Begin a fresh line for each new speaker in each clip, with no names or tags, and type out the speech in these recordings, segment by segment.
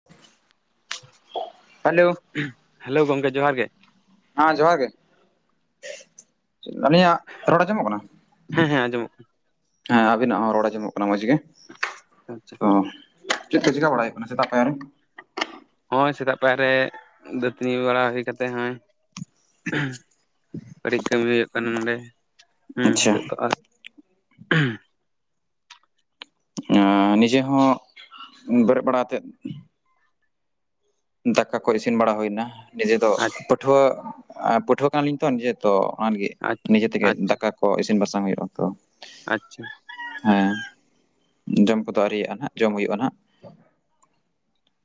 [unintelligible] Hello
hello ᱜᱚᱝᱠᱮ ᱡᱚᱦᱟᱨ ᱜᱮ ᱾
ᱦᱟᱸ ᱡᱚᱦᱟᱨ ᱜᱮ, ᱟᱹᱞᱤᱧᱟᱜ ᱨᱚᱲ ᱟᱸᱡᱚᱢᱚᱜ ᱠᱟᱱᱟ?
ᱦᱮᱸ ᱦᱮᱸ ᱟᱸᱡᱚᱢᱚᱜᱼᱼ
ᱦᱮᱸ ᱟᱵᱤᱱᱟᱜ ᱦᱚᱸ ᱨᱚᱲ ᱟᱸᱡᱚᱢᱚᱜ ᱠᱟᱱᱟ ᱢᱚᱸᱡᱽ ᱜᱮ ᱾
ᱟᱪᱪᱷᱟ
ᱚ, ᱪᱮᱫ ᱠᱚ ᱪᱤᱠᱟ ᱵᱟᱲᱟ ᱦᱩᱭᱩᱜ ᱠᱟᱱᱟ ᱥᱮᱛᱟᱜ ᱯᱟᱭᱟᱨᱮ?
ᱦᱚᱭ ᱥᱮᱛᱟᱜ ᱯᱟᱭᱟᱨᱮ ᱫᱟᱹᱛᱟᱹᱱᱤ ᱵᱟᱲᱟ ᱦᱩᱭ ᱠᱟᱛᱮᱜ ᱱᱚᱸ-ᱚᱭᱼᱼ [unintelligible] ᱠᱟᱹᱴᱤᱡ ᱠᱟᱹᱢᱤ ᱦᱩᱭᱩᱜ ᱠᱟᱱᱟ ᱱᱚᱸᱰᱮ, ᱦᱩᱸ
ᱟᱪᱪᱷᱟ
ᱱᱤᱛᱚᱜ ᱛᱚ ᱟᱨᱼᱼ [unintelligible]
ᱟᱸ, ᱱᱤᱡᱮ ᱦᱚᱸ ᱵᱮᱨᱮᱫ ᱵᱟᱲᱟ ᱟᱛᱮᱫᱼᱼ ᱫᱟᱠᱟ ᱠᱚ ᱤᱥᱤᱱ ᱵᱟᱲᱟ ᱦᱩᱭᱱᱟ ᱱᱤᱡᱮ ᱫᱚ, ᱯᱟᱹᱴᱷᱩᱣᱟᱹ ᱟᱸ ᱯᱟᱹᱴᱷᱩᱣᱟᱹ ᱠᱟᱱᱟᱞᱤᱧ ᱛᱚ ᱱᱤᱡᱮ ᱾ ᱛᱚ ᱚᱱᱟ ᱞᱟᱹᱜᱤᱫ
ᱟᱪᱪᱷᱟ
ᱱᱤᱡᱮ ᱛᱮᱜᱮ ᱫᱟᱠᱟ ᱠᱚ ᱤᱥᱤᱱ ᱵᱟᱥᱟᱝ ᱦᱩᱭᱩᱜᱼᱟ ᱛᱚ ᱾
ᱟᱪᱪᱷᱟ ᱾
ᱦᱮᱸ, ᱡᱚᱢ ᱠᱚᱫᱚ ᱟᱹᱣᱨᱤᱭᱟᱜ-ᱟ ᱦᱟᱸᱜ ᱡᱚᱢ ᱦᱩᱭᱩᱜᱼᱟ ᱦᱟᱸᱜ ᱾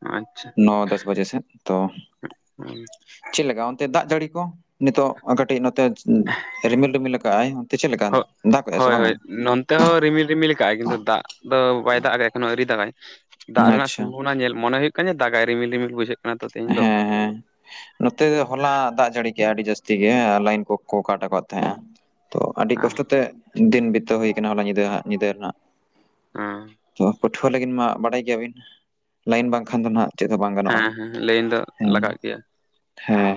ᱟᱪᱪᱷᱼᱼ
ᱱᱚ ᱫᱚᱥ ᱵᱟᱡᱮ ᱥᱮᱫ ᱛᱚ ᱾ ᱪᱮᱫ ᱞᱮᱠᱟ ᱚᱱᱛᱮ ᱫᱟᱜ ᱡᱟᱹᱲᱤ ᱠᱚ? ᱱᱤᱛᱚᱜ ᱠᱟᱹᱴᱤᱡ ᱱᱚᱛᱮᱼᱼ ᱨᱤᱢᱤᱞ ᱨᱤᱢᱤᱞ ᱠᱟᱜ-ᱟᱭ ᱚᱱᱛᱮ ᱪᱮᱫ ᱞᱮᱠᱟ ᱫᱟᱜ ᱠᱮᱫᱼᱟᱭ ᱥᱮ ᱵᱟᱝᱟ?
ᱱᱚᱛᱮ ᱦᱚᱸ ᱨᱤᱢᱤᱞ ᱨᱤᱢᱤᱞ ᱠᱟᱜ ᱟᱭ ᱠᱤᱱᱛᱩ ᱫᱟᱜ ᱫᱚ ᱵᱟᱭ ᱫᱟᱜ ᱠᱟᱜ-ᱟ ᱮᱠᱷᱚᱱᱳ ᱟᱹᱣᱨᱤ ᱫᱟᱜᱟᱭ ᱾ ᱫᱟᱜ ᱨᱮᱱᱟᱜ
ᱟᱪᱪᱷᱟ
ᱥᱚᱢᱵᱷᱚᱵᱚᱱᱟ ᱧᱮᱞ ᱢᱚᱱᱮ ᱦᱩᱭᱩᱜ ᱠᱟᱱᱟ ᱡᱮ ᱫᱟᱜᱟᱭ ᱨᱤᱢᱤᱞ ᱨᱤᱢᱤᱞ ᱵᱩᱡᱷᱟᱹᱜᱼᱼ
ᱦᱮᱸ ᱦᱮᱸ ᱾ ᱱᱚᱛᱮ ᱫᱚ ᱦᱚᱞᱟ ᱫᱟᱜ ᱡᱟᱹᱲᱤ ᱠᱮᱫᱼᱟᱭ ᱟᱹᱰᱤ ᱡᱟᱹᱥᱛᱤ ᱜᱮ ᱞᱟᱭᱤᱱ ᱠᱚᱠᱚ ᱠᱟᱴ ᱟᱠᱟᱫ ᱛᱟᱦᱮᱸᱜᱼᱟ ᱾ ᱛᱚ ᱟᱹᱰᱤ
ᱦᱮᱸ
ᱠᱚᱥᱴᱚ ᱛᱮ, ᱫᱤᱱ ᱵᱤᱛᱟᱹᱣ ᱦᱩᱭ ᱠᱟᱱᱟ ᱦᱚᱞᱟ ᱧᱤᱫᱟᱹ ᱦᱟᱸᱜ ᱧᱤᱫᱟᱹ ᱨᱮᱱᱟᱜᱼᱼ
ᱚᱸ
ᱛᱚ ᱯᱟᱹᱴᱷᱩᱣᱟᱹ ᱞᱟᱹᱜᱤᱫ ᱢᱟ ᱵᱟᱰᱟᱭ ᱜᱮᱭᱟᱵᱤᱱ, ᱞᱟᱹᱭᱤᱱ ᱵᱟᱝᱠᱷᱟᱱ ᱫᱚ ᱱᱟᱜᱼᱼ
ᱦᱮᱸ ᱦᱮᱸ ᱞᱟᱹᱭᱤᱱ ᱫᱚ ᱞᱟᱜᱟᱜ ᱜᱮᱭᱟ ᱾
ᱦᱮᱸ ᱾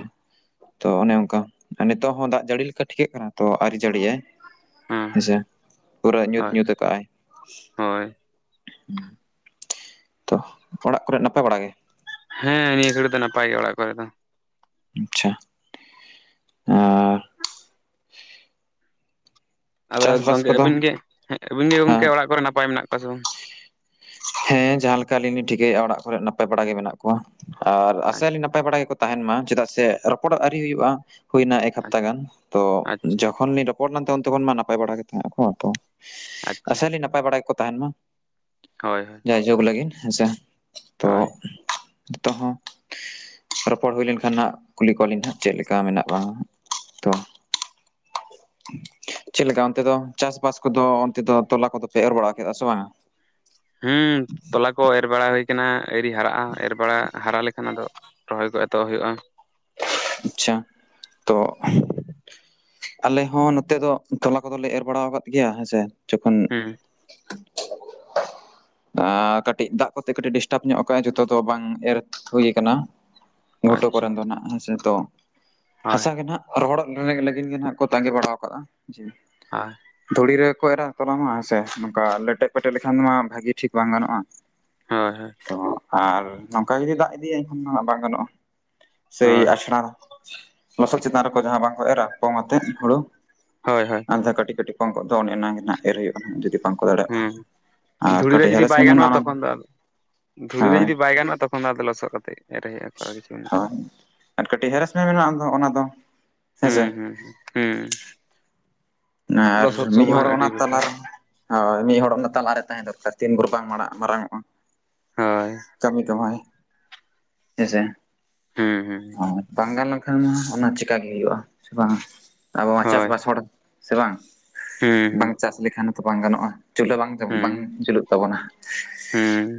ᱛᱚ ᱚᱱᱮ ᱚᱱᱠᱟ ᱟᱨ ᱱᱤᱛᱚᱜ ᱦᱚᱸ ᱫᱟᱜᱽ ᱡᱟᱹᱲᱤ ᱞᱮᱠᱟ ᱴᱷᱤᱠᱟᱹᱜ ᱠᱟᱱᱟ ᱛᱚ ᱟᱹᱨᱤ ᱡᱟᱹᱲᱤᱭᱟᱭ
ᱦᱮᱸ
ᱦᱮᱸᱥᱮ, ᱯᱩᱨᱟᱹ
ᱦᱳᱭ
ᱧᱩᱛ-ᱧᱩᱛ ᱛᱟᱠᱟᱜ-ᱟᱭ
ᱦᱳᱭ
ᱛᱚ ᱚᱲᱟᱜ ᱠᱚᱨᱮ ᱱᱟᱯᱟᱭ ᱵᱟᱲᱟ ᱜᱮ?
ᱦᱮᱸ ᱱᱤᱭᱟᱹ ᱜᱷᱟᱹᱲᱤ ᱫᱚ ᱱᱟᱯᱟᱭ ᱜᱮᱭᱟ ᱚᱲᱟᱜ ᱠᱚᱨᱮ ᱫᱚ
ᱟᱪᱪᱷᱟ ᱟᱸ
ᱟᱫᱚ
ᱪᱟᱥᱵᱟᱥ
ᱜᱚᱝᱠᱮ
ᱠᱚᱫᱚ
ᱟᱹᱵᱤᱱ ᱜᱮ, ᱟᱹᱵᱤᱱ ᱜᱮ
ᱦᱮᱸ
ᱜᱚᱝᱠᱮ ᱚᱲᱟᱜ ᱠᱚᱨᱮ ᱱᱟᱯᱟᱭ ᱢᱮᱱᱟᱜ ᱠᱚᱣᱟ ᱥᱮ ᱵᱟᱝ
ᱦᱮᱸ ᱡᱟᱦᱟᱸ ᱞᱮᱠᱟ ᱟᱞᱤᱧ ᱞᱤᱧ ᱴᱷᱤᱠᱟᱹᱭᱮᱜ-ᱟ ᱚᱲᱟᱜ ᱠᱚᱨᱮ ᱱᱟᱯᱟᱭ ᱵᱟᱲᱟ ᱜᱮ ᱢᱮᱱᱟᱜ ᱠᱚᱣᱟ ᱟᱨ
ᱵᱟᱝ?
ᱟᱥᱟᱭᱟᱞᱤᱧ ᱱᱟᱯᱟᱭ ᱵᱟᱲᱟ ᱜᱮᱠᱚ ᱛᱟᱦᱮᱸᱱ ᱢᱟ ᱪᱮᱫᱟᱜ ᱥᱮ ᱨᱚᱯᱚᱲ ᱟᱹᱣᱨᱤ ᱦᱩᱭᱩᱜᱼᱟ ᱾ ᱦᱩᱭᱮᱱᱟ ᱮᱠ ᱦᱟᱯᱛᱟ ᱜᱟᱱ ᱛᱚ
ᱟᱪᱪᱷᱟ
ᱡᱚᱠᱷᱚᱱ ᱞᱤᱧ ᱨᱚᱯᱚᱲ ᱞᱮᱱᱟ ᱛᱚ ᱩᱱ ᱛᱚᱠᱷᱚᱱ ᱢᱟ ᱱᱟᱯᱟᱭ ᱵᱟᱲᱟ ᱜᱮ ᱛᱟᱦᱮᱸᱫ ᱟᱠᱚ ᱛᱚ ᱾
ᱟᱪᱪᱷᱟ
ᱟᱥᱟᱭᱟᱞᱤᱧ ᱱᱟᱯᱟᱭ ᱵᱟᱲᱟ ᱜᱮ ᱠᱚ ᱛᱟᱦᱮᱸᱱ ᱢᱟ᱾
ᱦᱳᱭ ᱦᱳᱭ ᱾
ᱡᱟᱭᱡᱩᱜᱽ ᱞᱟᱹᱜᱤᱱ ᱦᱮᱸᱥᱮ ᱛᱚ ᱱᱤᱛᱚᱜ ᱦᱚᱸ ᱨᱚᱯᱚᱲ ᱦᱩᱭ ᱞᱮᱱᱠᱷᱟᱱ ᱱᱷᱟᱜ ᱠᱩᱞᱤ ᱠᱚᱣᱟᱞᱤᱧ ᱦᱟᱸᱜ ᱪᱮᱫ ᱞᱮᱠᱟ ᱢᱮᱱᱟᱜ ᱠᱚᱭᱟ ᱦᱟᱸᱜ ᱛᱚ ᱪᱮᱫᱞᱮᱠᱟ ᱚᱱᱛᱮ ᱫᱚ ᱪᱟᱥᱵᱟᱥ ᱠᱚᱫᱚ ᱚᱱᱛᱮ ᱫᱚ ᱛᱚᱞᱟ ᱠᱚᱫᱚ ᱯᱮ ᱮᱨ ᱵᱟᱲᱟ ᱠᱮᱜ-ᱟ ᱥᱮ ᱵᱟᱝ-ᱟ?
ᱦᱩᱸ ᱛᱚᱞᱟ ᱠᱚ ᱮᱨ ᱵᱟᱲᱟ ᱦᱩᱭᱟᱠᱟᱱᱟ ᱟᱹᱣᱨᱤ ᱦᱟᱨᱟᱜᱼᱟ ᱮᱨ ᱵᱟᱲᱟ ᱦᱟᱨᱟ ᱞᱮᱠᱷᱟᱱ ᱟᱫᱚ ᱨᱚᱦᱚᱭ ᱠᱚ ᱮᱛᱚᱦᱚᱵ ᱦᱩᱭᱩᱜᱼᱟ ᱾
ᱟᱪᱪᱷᱟ ᱛᱚ ᱾ ᱟᱞᱮ ᱦᱚᱸ ᱱᱚᱛᱮ ᱫᱚ ᱛᱚᱞᱟ ᱠᱚᱫᱚᱞᱮ ᱮᱨ ᱵᱟᱲᱟᱣ ᱟᱠᱟᱫ ᱜᱮᱭᱟ ᱦᱮᱸᱥᱮ ᱡᱚᱠᱷᱚᱱ
ᱦᱩᱸ ᱾
ᱟ ᱠᱟᱹᱴᱤᱡ ᱫᱟᱜᱽ ᱠᱚᱛᱮ ᱠᱟᱹᱴᱤᱡ ᱰᱤᱥᱴᱟᱵᱽ ᱧᱚᱜ ᱠᱟᱜ-ᱟᱭ ᱡᱚᱛᱚ ᱫᱚ ᱵᱟᱝ ᱮᱨ ᱦᱩᱭ ᱟᱠᱟᱱᱟ ᱾ ᱜᱷᱩᱴᱚ
ᱟᱪᱪᱷᱟ
ᱠᱚᱨᱮᱱ ᱫᱚ ᱱᱟᱸᱜ ᱦᱮᱸᱥᱮ ᱛᱚ
ᱦᱳᱭ
ᱦᱟᱥᱟ ᱜᱮ ᱱᱷᱟᱜ ᱨᱚᱦᱚᱲᱚᱜ ᱞᱟ- ᱞᱟᱹᱜᱤᱱ ᱜᱮ ᱱᱷᱟᱜ ᱠᱚ ᱛᱟᱸᱜᱤ ᱵᱟᱲᱟᱣ ᱟᱠᱟᱜ-ᱟ ᱡᱮ
ᱦᱟᱭ ᱾
ᱫᱷᱩᱲᱤ ᱨᱮᱜᱮᱠᱚ ᱮᱨᱟ ᱛᱚᱞᱟ ᱦᱚᱸ ᱦᱮᱸᱥᱮ ᱱᱚᱝᱠᱟ ᱞᱮᱴᱮ ᱯᱮᱴᱮ ᱞᱮᱠᱷᱟᱱ ᱢᱟ ᱵᱷᱟᱜᱤ ᱴᱷᱤᱠ ᱵᱟᱝ ᱜᱟᱱᱚᱜᱼᱟ ᱾
ᱦᱳᱭ ᱦᱳᱭ ᱾
ᱛᱚ ᱟᱨ ᱱᱚᱝᱠᱟ ᱡᱩᱫᱤ ᱫᱟᱜᱽ ᱤᱫᱤᱭᱟᱭ ᱮᱱᱠᱷᱟᱱ ᱫᱚ ᱵᱟᱝ ᱜᱟᱱᱚᱜᱼᱟ ᱥᱮᱭ
ᱦᱳᱭ
ᱟᱥ [unintelligible] ᱞᱚᱥᱚᱫ ᱪᱮᱛᱟᱱ ᱨᱮᱠᱚ ᱡᱟᱦᱟᱸ ᱵᱟᱝᱠᱚ ᱮᱨᱟ ᱯᱚᱝ ᱟᱛᱮᱫ ᱦᱩᱲᱩ
ᱦᱳᱭ ᱦᱳᱭ ᱾
ᱟᱱᱫᱷᱟ ᱠᱟᱹᱴᱤᱡ ᱠᱟᱹᱴᱤᱡ ᱯᱚᱝ ᱠᱚᱜ ᱫᱚ ᱚᱱᱮ ᱚᱱᱟ ᱜᱮᱱᱷᱟᱜ ᱮᱨ ᱦᱩᱭᱩᱜ ᱟᱱᱷᱟᱜ, ᱡᱩᱫᱤ ᱵᱟᱝᱠᱚ ᱫᱟᱲᱮᱭᱟᱜ ᱠᱷᱟᱱ
ᱦᱩᱸ
ᱟᱨ
ᱫᱷᱩᱲᱤ ᱨᱮ
ᱠᱟᱹᱴᱤᱡ
ᱡᱩᱫᱤ ᱵᱟᱭ
ᱦᱮᱨᱮᱥᱢᱮᱱᱴ
ᱜᱟᱱᱚᱜᱼᱟ
ᱢᱮᱱᱟᱜᱼᱟ ᱚᱱᱟ ᱫᱚ
ᱛᱚᱠᱷᱚᱱ ᱟᱫᱚ ᱫᱷᱩᱲᱤ ᱨᱮ ᱡᱩᱫᱤ ᱵᱟᱭ ᱜᱟᱱᱚᱜᱼᱟ ᱛᱚᱠᱷᱚᱱ ᱫᱚ ᱟᱫᱚ ᱞᱚᱥᱚᱫ ᱠᱟᱛᱮᱫ ᱮᱨᱦᱮᱡ ᱟᱠᱚ ᱠᱤᱪᱷᱩ
ᱦᱳᱭ ᱟᱨ ᱠᱟᱹᱴᱤᱡ ᱦᱮᱨᱮᱥᱢᱮᱱᱴ ᱢᱮᱱᱟᱜᱼᱟ ᱟᱱ ᱫᱚ ᱦᱟᱸᱜ ᱚᱱᱟ ᱫᱚ ᱦᱮᱸᱥᱮ
ᱦᱩᱸ ᱦᱩᱸ ᱦᱩᱸ ᱾
ᱱᱟᱨ ᱢᱤᱫ ᱦᱚᱲ
ᱟᱹᱰᱤ
ᱚᱱᱟ
ᱵᱮᱴᱟᱨ
ᱛᱟᱞᱟᱨᱮ ᱦᱳᱭ ᱢᱤᱫ ᱦᱚᱲ ᱚᱱᱟ ᱛᱟᱞᱟᱨᱮ ᱛᱟᱦᱮᱸ ᱫᱚᱨᱠᱟᱨ ᱛᱤᱱ ᱵᱷᱩᱨ ᱵᱟᱝ ᱢᱟᱨᱟᱜ ᱢᱟᱨᱟᱝᱚᱜᱼᱟ᱾
ᱦᱳᱭ
ᱠᱟᱹᱢᱤ ᱠᱟᱹᱢᱦᱟᱭ ᱦᱮᱸᱪᱮ
ᱦᱩᱸ ᱦᱩᱸ ᱾
ᱵᱟᱝ ᱜᱟᱱ ᱞᱮᱱᱠᱷᱟᱱ ᱢᱟ ᱚᱱᱟ ᱪᱮᱠᱟ ᱜᱮ ᱦᱩᱭᱩᱜᱼᱟ ᱥᱮ ᱵᱟᱝᱟ ᱟᱵᱚ ᱢᱟ
ᱦᱳᱭ
ᱪᱟᱥᱵᱟᱥ ᱦᱚᱲ ᱥᱮ ᱵᱟᱝ,
ᱦᱩᱸ ᱦᱩᱸ
ᱵᱟᱝ ᱪᱟᱥ ᱞᱮᱠᱷᱟᱱ ᱦᱚᱸᱛᱚ ᱵᱟᱝ ᱜᱟᱱᱚᱜᱼᱟ ᱪᱩᱞᱦᱟᱹ ᱵᱟᱝ ᱡᱚᱢ
ᱦᱩᱸ
ᱵᱟᱝ ᱡᱩᱞᱩᱜ ᱛᱟᱵᱚᱱᱟ ᱾
ᱦᱩᱸ ᱾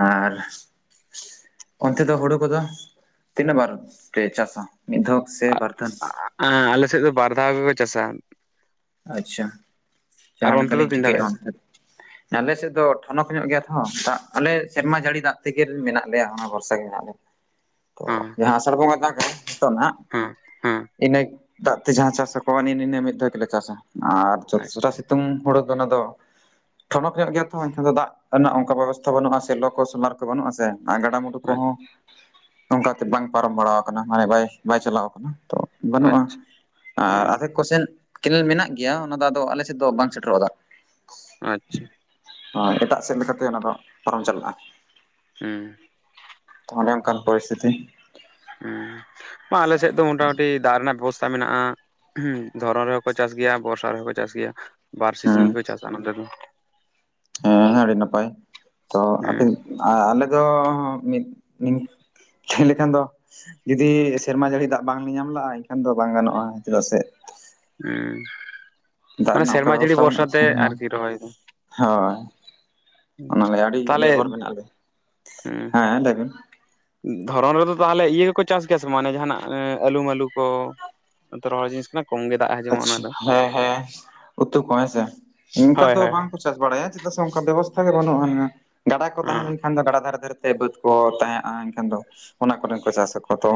ᱟᱨ ᱚᱱᱛᱮ ᱫᱚ ᱦᱩᱲᱩ ᱠᱚᱫᱚ ᱛᱤᱱᱟᱹᱜ ᱵᱟᱨ ᱯᱮ ᱪᱟᱥᱟ ᱢᱤᱫ ᱫᱷᱟᱹᱣ ᱥᱮ ᱵᱟᱨ ᱫᱷᱟᱹᱣ?
ᱟᱸ ᱟᱞᱮ ᱥᱮᱫ ᱫᱚ ᱵᱟᱨ ᱫᱷᱟᱣ ᱜᱮᱠᱚ ᱪᱟᱥᱟ ᱾
ᱟᱪᱪᱷᱟ
ᱟᱨ
ᱡᱟᱦᱟᱸ
ᱚᱱᱛᱮ ᱫᱚ
ᱞᱮᱠᱟᱞᱤᱧ
ᱛᱤᱱ ᱫᱷᱟᱣ ᱠᱚ
ᱴᱷᱤᱠᱟᱹᱭᱮᱜᱼᱟ
ᱪᱟᱥᱟ
ᱚᱱᱛᱮ ᱟᱞᱮᱥᱮᱫ ᱫᱚ ᱴᱷᱚᱱᱚᱠ ᱧᱚᱜ ᱜᱮᱭᱟ ᱛᱚ ᱟᱞᱮ ᱥᱮᱫ ᱫᱚ ᱴᱷᱚᱱᱚᱠ ᱧᱚᱜ ᱜᱮᱭᱟ ᱨᱮᱦᱚᱸ ᱫᱟᱜᱽ ᱟᱞᱮ ᱥᱮᱨᱢᱟ ᱡᱟᱹᱲᱤ ᱫᱟᱜᱽ ᱛᱮᱜᱮ ᱢᱮᱱᱟᱜ ᱞᱮᱭᱟ ᱚᱱᱟ ᱵᱚᱨᱥᱟ ᱜᱮ ᱢᱮᱱᱟᱜ ᱞᱮᱭᱟ ᱾ ᱛᱚ
ᱦᱮᱸ
ᱡᱟᱦᱟᱸ ᱟᱥᱟᱲ ᱵᱚᱸᱜᱟ ᱫᱟᱜᱟᱭ ᱱᱤᱛᱚᱜ ᱱᱟᱦᱟᱸᱜ,
ᱦᱮᱸ ᱦᱮᱸ
ᱤᱱᱟᱹ ᱫᱟᱜᱽ ᱛᱮ ᱡᱟᱦᱟᱸ ᱪᱟᱥᱟᱠᱚᱣᱟ ᱮᱱ ᱤᱧᱟ ᱢᱤᱫ ᱫᱷᱟᱹᱣ ᱛᱮᱞᱮ ᱪᱟᱥᱟ ᱟᱨ
ᱟᱪᱪᱷᱟ
ᱡᱚᱛᱚᱥᱚᱨᱟ ᱥᱤᱛᱩᱝ ᱦᱩᱲᱩ ᱫᱚ ᱚᱱᱟ ᱫᱚ ᱴᱷᱚᱱᱚᱠ ᱧᱚᱜ ᱜᱮᱭᱟ ᱛᱚ ᱮᱱᱠᱷᱟᱱ ᱫᱚ ᱫᱟᱜ ᱨᱮᱱᱟᱜ ᱚᱱᱠᱟ ᱵᱮᱵᱚᱥᱛᱷᱟ ᱵᱟᱹᱱᱩᱜᱼᱟ ᱥᱮ ᱞᱚ ᱠᱚ ᱥᱚᱞᱟᱨ ᱠᱚ ᱵᱟᱹᱱᱩᱜᱼᱟ ᱥᱮ, ᱟᱨ ᱜᱟᱰᱟᱼᱢᱩᱸᱰᱩ ᱠᱚᱦᱚᱸ ᱚᱝᱠᱟᱛᱮ ᱵᱟᱝ ᱯᱟᱨᱚᱢ ᱵᱟᱲᱟ ᱟᱠᱟᱱᱟ ᱢᱟᱱᱮ ᱵᱟᱭ ᱵᱟᱭ ᱪᱟᱞᱟᱣ ᱟᱠᱟᱱᱟ ᱛᱚ ᱵᱟᱹᱱᱩᱜᱼᱟ ᱟᱨ
ᱦᱮᱸ
ᱟᱫᱷᱮᱠ ᱠᱚᱥᱮᱱ, ᱠᱮᱱᱮᱞ ᱢᱮᱱᱟᱜ ᱜᱮᱭᱟ ᱚᱱᱟ ᱫᱚ ᱟᱫᱚ ᱟᱞᱮ ᱥᱮᱫ ᱫᱚ ᱵᱟᱝ ᱥᱮᱴᱮᱨᱚᱜᱼᱟ ᱫᱟᱜᱽ᱾
ᱟᱪᱪᱷᱟ,
ᱮᱴᱟᱜ ᱥᱮᱜ ᱞᱮᱠᱟᱛᱮ ᱚᱱᱟ ᱫᱚ ᱯᱟᱨᱚᱢ ᱪᱟᱞᱟᱜᱼᱟ᱾
ᱦᱩᱸ
ᱚᱱᱰᱮ ᱚᱱᱠᱟᱱ ᱯᱚᱨᱤᱥᱛᱷᱤᱛᱤ
ᱦᱩᱸ ᱵᱟᱝ ᱟᱞᱮ ᱥᱮᱜ ᱫᱚ ᱢᱚᱴᱟᱢᱩᱴᱤ ᱫᱟᱜᱽ ᱨᱮᱱᱟᱜ ᱵᱮᱵᱚᱥᱛᱟ ᱢᱮᱱᱟᱜᱼᱟ᱾ ᱦᱩᱸ ᱫᱷᱚᱨᱚ ᱨᱮᱦᱚᱸ ᱠᱚ ᱪᱟᱥ ᱜᱮᱭᱟ ᱵᱚᱨᱥᱟ ᱨᱮᱦᱚᱸ ᱠᱚ ᱪᱟᱥ ᱜᱮᱭᱟ, ᱵᱟᱨ ᱥᱤᱡᱽᱱᱤ ᱜᱮ ᱠᱚ ᱪᱟᱥᱼᱟ ᱱᱚᱛᱮ ᱫᱚ,
ᱦᱮᱸ ᱦᱮᱸ ᱟᱹᱰᱤ ᱱᱟᱯᱟᱭ ᱛᱚ ᱟᱯᱮ
ᱦᱮᱸ
ᱟᱞᱮ ᱫᱚ ᱢᱤᱫ ᱪᱷᱮᱱ ᱞᱮᱠᱟᱱ ᱫᱚ ᱡᱩᱫᱤ ᱥᱮᱨᱢᱟ ᱡᱟᱹᱲᱤ ᱫᱟᱜᱽ ᱵᱟᱝᱞᱮ ᱧᱟᱢ ᱞᱮᱜᱼᱟ ᱮᱱᱠᱷᱟᱱ ᱫᱚ ᱵᱟᱝ ᱜᱟᱱᱚᱜᱼᱟ ᱪᱮᱫᱟᱜ ᱥᱮ,
ᱦᱮᱸ
ᱫᱟᱜᱽ
ᱢᱟᱱᱮ
ᱨᱮᱱᱟᱜ ᱚᱱᱠᱟ
ᱥᱮᱨᱢᱟ ᱡᱟᱹᱲᱤ
ᱵᱮᱵᱚᱥᱛᱷᱟ
ᱵᱷᱚᱨᱥᱟ
ᱵᱟᱹᱱᱩᱜᱼᱟ ᱥᱮ
ᱛᱮ ᱟᱨᱠᱤ ᱨᱚᱦᱚᱭ ᱫᱚ
ᱦᱳᱭ ᱚᱱᱟᱞᱮ ᱟᱹᱰᱤ
ᱛᱟᱦᱚᱞᱮ
ᱱᱤᱨᱵᱷᱚᱨ ᱢᱮᱱᱟᱜ ᱞᱮ, ᱦᱮᱸ ᱞᱟᱹᱭ ᱵᱮᱱ
ᱫᱷᱚᱨᱚᱱ ᱨᱮᱫᱚ ᱛᱟᱦᱚᱞᱮ ᱤᱭᱟᱹ ᱜᱮᱠᱚ ᱪᱟᱥ ᱜᱮᱭᱟ ᱥᱮ ᱵᱟᱝ ᱚᱱᱮ ᱡᱟᱦᱟᱱᱟᱜ ᱟᱹᱞᱩ ᱢᱟᱹᱞᱩ ᱠᱚ, ᱨᱚᱦᱚᱲ ᱡᱤᱱᱤᱥ ᱠᱟᱱᱟ ᱠᱚᱢ ᱜᱮ ᱫᱟᱜ ᱦᱟᱡᱚᱢᱚᱜᱼᱟ ᱚᱱᱟ
ᱟᱪᱪᱷᱟ
ᱫᱚ
ᱦᱮᱸ ᱦᱮᱸ ᱩᱛᱚᱩ ᱠᱚ ᱦᱮᱸᱥᱮ, ᱚᱝᱠᱟ
ᱦᱳᱭ
ᱫᱚ
ᱦᱳᱭ ᱦᱮᱸ
ᱵᱟᱝᱠᱚ ᱪᱟᱥ ᱵᱟᱲᱟᱭᱟ ᱪᱮᱫᱟᱜ ᱥᱮ ᱚᱱᱠᱟ ᱵᱮᱵᱚᱥᱛᱷᱟ ᱜᱮ ᱵᱟᱹᱱᱩᱜᱼᱟ ᱜᱟᱰᱟ ᱠᱚ ᱛᱟᱦᱮᱸ ᱞᱮᱱᱠᱷᱟᱱ ᱮᱱᱠᱷᱟᱱ ᱜᱮ ᱜᱟᱰᱟ ᱫᱷᱟᱨᱮ ᱫᱷᱟᱨᱮᱛᱮ ᱵᱟᱹᱫᱽ ᱠᱚ ᱛᱟᱦᱮᱸᱜᱼᱟ ᱮᱱᱠᱷᱟᱱ ᱫᱚ ᱚᱱᱟ ᱠᱚᱨᱮ ᱦᱚᱸᱠᱚ ᱪᱟᱥ ᱟᱠᱚ ᱛᱚ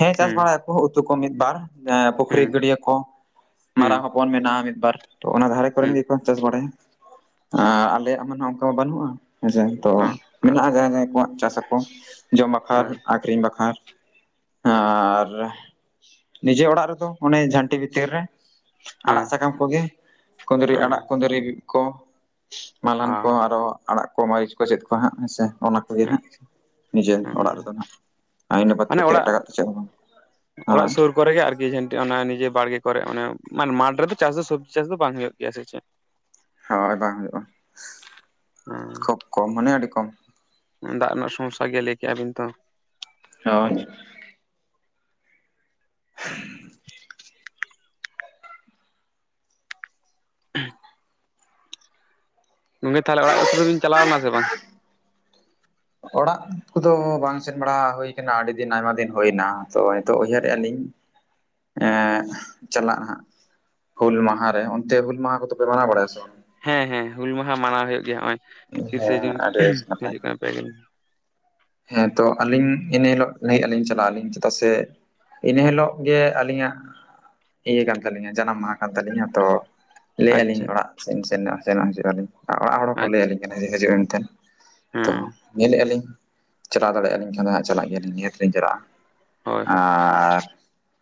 ᱦᱮᱸ ᱪᱟᱥ
ᱦᱩᱸ
ᱵᱟᱲᱟᱭᱟᱠᱚ ᱩᱛᱩ ᱠᱚ ᱢᱤᱫ ᱵᱟᱨ ᱯᱩᱠᱷᱨᱤ ᱜᱟᱹᱰᱭᱟᱹ ᱠᱚ᱾ ᱢᱟᱨᱟᱝ ᱦᱚᱯᱚᱱ ᱢᱮᱱᱟᱜᱼᱟ ᱢᱤᱫᱵᱟᱨ ᱛᱚ ᱚᱱᱟ ᱫᱷᱟᱨᱮ ᱠᱚᱨᱮᱱ ᱜᱮᱠᱚ ᱪᱟᱥ ᱵᱟᱲᱟᱭᱟ, ᱮᱸ ᱟᱞᱮᱭᱟᱜ ᱢᱟ ᱱᱟᱦᱟᱜ ᱚᱱᱠᱟ ᱢᱟ ᱵᱟᱹᱱᱩᱜᱼᱟ ᱦᱮᱸᱥᱮ ᱛᱚ
ᱦᱳᱭ
ᱢᱮᱱᱟᱜᱼᱟ ᱡᱟᱦᱟᱸᱭ ᱡᱟᱦᱟᱸᱭ ᱠᱚᱣᱟᱜ ᱪᱟᱥ ᱟᱠᱚ ᱠᱚ ᱡᱚᱢ ᱵᱟᱠᱷᱨ ᱟᱠᱷᱨᱤᱧ ᱵᱟᱠᱷᱨ ᱟᱨ, ᱱᱤᱡᱮ ᱚᱲᱟᱜ ᱨᱮᱫᱚ ᱚᱱᱮ ᱡᱷᱟᱹᱱᱴᱤ ᱵᱷᱤᱛᱤᱨ ᱨᱮ
ᱦᱮᱸ
ᱟᱲᱟᱜ
ᱦᱮᱸ
ᱥᱟᱠᱟᱢ ᱠᱚᱜᱮ ᱠᱩᱸᱫᱽᱨᱤ
ᱦᱮᱸ
ᱟᱲᱟᱜ ᱠᱩᱸᱫᱽᱨᱤ ᱠᱚ ᱢᱟᱞᱦᱟᱱ ᱠᱚ
ᱚ
ᱟᱨᱚ ᱟᱲᱟᱜ ᱠᱚ ᱢᱟᱹᱨᱤᱪ ᱠᱚ ᱪᱮᱫ ᱠᱚ ᱦᱟᱸᱜ ᱦᱮᱸᱥᱮ᱾ ᱚᱱᱟ ᱠᱚᱜᱮ ᱦᱟᱸᱜ
ᱟᱪᱪᱷᱟ
ᱱᱤᱡᱮᱨ ᱚᱲᱟᱜ
ᱦᱩᱸ
ᱨᱮᱫᱚ ᱦᱟᱸᱜ ᱟᱹᱭᱤᱱ ᱟᱵᱟᱫ
ᱢᱟᱱᱮ
ᱠᱟᱛᱮᱫ
ᱚᱲᱟᱜ
ᱮᱴᱟᱜᱟᱜ ᱫᱚ ᱪᱮᱫ ᱦᱚᱸ ᱵᱟᱝ,
ᱚᱲᱟᱜ
ᱦᱳᱭ
ᱥᱩᱨ, ᱠᱚᱨᱮ ᱜᱮ ᱟᱨᱠᱤ ᱡᱷᱱᱴᱤ ᱚᱱᱟ ᱱᱤᱡᱮ ᱵᱟᱲᱜᱮ ᱠᱚᱨᱮ ᱚᱱᱮ ᱢᱟᱱᱮ ᱢᱟᱴ ᱨᱮᱫᱚ ᱪᱟᱥ ᱫᱚ ᱥᱚᱵᱽᱡᱤ ᱪᱟᱥ ᱫᱚ ᱵᱟᱝ ᱦᱩᱭᱩᱜ ᱜᱮᱭᱟ ᱥᱮ ᱪᱮᱫ
ᱦᱳᱭ ᱵᱟᱝ ᱦᱩᱭᱩᱜᱼᱟ ᱠᱷᱩᱵ ᱠᱚᱢ ᱢᱟᱱᱮ ᱟᱹᱰᱤ ᱠᱚᱢ᱾
ᱫᱟᱜᱽ ᱨᱮᱱᱟᱜ ᱥᱚᱢᱚᱭᱥᱟ ᱜᱮ ᱞᱟᱹᱭ ᱠᱮᱜᱼᱟ ᱵᱤᱱ ᱛᱚ
ᱦᱳᱭ [inaudible]
ᱜᱚᱝᱠᱮ ᱛᱟᱦᱚᱞᱮ ᱚᱲᱟᱜ ᱥᱮ ᱫᱚ ᱵᱤᱱ ᱪᱟᱞᱟᱣ ᱞᱮᱱᱟ ᱥᱮ ᱵᱟᱝ?
ᱚᱲᱟᱜ ᱠᱚᱫᱚ ᱵᱟᱝ ᱥᱮᱱ ᱵᱟᱲᱟ ᱦᱳᱭ ᱠᱟᱱᱟ ᱟᱹᱰᱤ ᱫᱤᱱ ᱟᱭᱢᱟ ᱫᱤᱱ ᱦᱳᱭᱱᱟ ᱛᱚ ᱱᱤᱛᱚᱜ ᱩᱭᱦᱟᱹᱨᱮ ᱟᱹᱞᱤᱧ᱾ ᱮᱸ ᱪᱟᱞᱟᱜ ᱦᱟᱸᱜ, ᱦᱩᱞ ᱢᱟᱦᱟᱸ ᱨᱮ ᱚᱱᱛᱮ ᱦᱩᱞ ᱢᱟᱦᱟᱸ ᱠᱚᱫᱚᱯᱮ ᱢᱟᱱᱟᱣ ᱵᱟᱲᱟᱭᱟ ᱥᱮ ᱵᱟᱝ?
ᱦᱮᱸ ᱦᱮᱸ ᱦᱩᱞ ᱢᱟᱦᱟᱸ ᱢᱟᱱᱟᱣ ᱦᱩᱭᱩᱜ ᱜᱮᱭᱟ ᱦᱸᱚᱜᱼᱚᱭ ᱛᱤᱨᱤᱥᱮ
ᱦᱮᱸ
ᱡᱩᱱ
ᱟᱹᱰᱤ ᱱᱟᱯᱟᱭ
ᱦᱤᱡᱩᱜ ᱠᱟᱱᱟ ᱯᱮᱜᱮᱞ,
ᱦᱮᱸ ᱛᱚ ᱟᱹᱞᱤᱧ ᱤᱱᱹ ᱦᱤᱞᱳᱜ ᱞᱟᱹᱭ ᱟᱹᱞᱤᱧ ᱪᱟᱞᱟᱜ ᱟᱹᱞᱤᱧ ᱪᱮᱫᱟᱜ ᱥᱮ ᱤᱱᱟᱹ ᱦᱤᱞᱳᱜ ᱜᱮ ᱟᱹᱞᱤᱧᱟᱜ ᱤᱭᱟᱹ ᱠᱟᱱ ᱛᱟᱞᱤᱧᱟ ᱡᱟᱱᱟᱢ ᱢᱟᱦᱟᱸ ᱠᱟᱱ ᱛᱟᱞᱤᱧᱟ ᱛᱚ, ᱞᱟᱹᱭ ᱮᱜᱼᱟ ᱟᱹᱞᱤᱧ
ᱟᱪᱪᱷᱟ
ᱚᱲᱟᱜ ᱥᱮᱱ ᱥᱮᱱ ᱧᱚᱜ ᱦᱚᱪᱚᱱᱚᱜ ᱦᱤᱡᱩᱜ ᱟᱹᱞᱤᱧ ᱟᱨ ᱚᱲᱟᱜ ᱦᱚᱲ ᱦᱚᱸᱠᱚ ᱞᱟᱹᱭ
ᱟᱪᱪᱷᱟ
ᱟᱹᱞᱤᱧ ᱠᱟᱱᱟ ᱡᱮ ᱦᱤᱡᱩᱜ ᱢᱮ ᱢᱮᱱᱛᱮᱱ, ᱛᱚ
ᱦᱮᱸ
ᱧᱮᱞ ᱞᱮᱜᱼᱟ ᱞᱤᱧ᱾ ᱪᱟᱞᱟᱣ ᱫᱟᱲᱮᱭᱟᱜᱼᱟ ᱞᱤᱧ ᱠᱷᱟᱱ ᱫᱚ ᱦᱟᱸᱜ ᱪᱟᱞᱟᱜ ᱜᱮᱭᱟᱞᱤᱧ ᱱᱤᱦᱟᱹᱛᱤ ᱞᱤᱧ ᱪᱟᱞᱟᱜᱼᱟ
ᱦᱳᱭ ᱦᱳᱭ
ᱟᱨᱻ